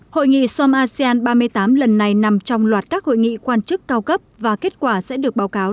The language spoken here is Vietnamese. hội nghị som asean ba mươi tám lần này nằm trong loạt các hội nghị quan chức cao cấp và kết quả sẽ được báo cáo